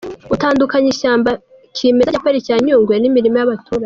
utandukanya ishyamba kimeza rya Pariki ya Nyungwe n’imirima y’abaturage.